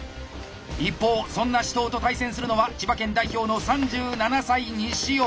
一方そんな紫桃と対戦するのは千葉県代表の３７歳西尾。